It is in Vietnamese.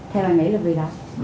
theo bạn nghĩ là vì sao